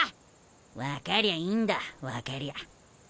分かりゃいいんだ分かりゃ。